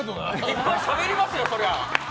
いっぱいしゃべりますよ、そりゃ！